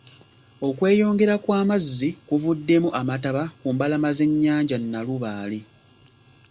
Okweyongera kw'amazzi kuvuddemu amataba ku mbalama z'ennyanja Nalubaale.